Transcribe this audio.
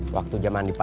waktu zaman di pasar